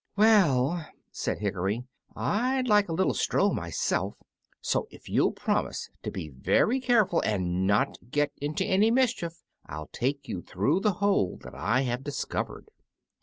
"Well," said Hickory, "I'd like a little stroll myself, so if you'll promise to be very careful, and not get into any mischief, I'll take you through the hole that I have discovered."